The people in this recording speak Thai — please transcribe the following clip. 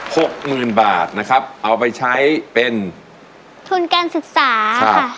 หกหมื่นบาทนะครับเอาไปใช้เป็นทุนการศึกษาค่ะ